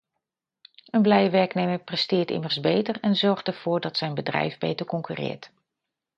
Een blije werknemer presteert immers beter en zorgt ervoor dat zijn bedrijf beter concurreert.